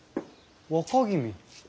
若君。